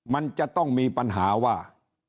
มันจะต้องมีปัญหาว่า